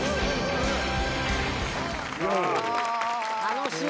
楽しい。